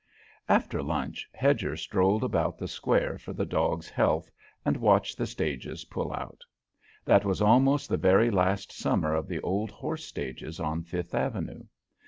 After lunch Hedger strolled about the Square for the dog's health and watched the stages pull out; that was almost the very last summer of the old horse stages on Fifth Avenue.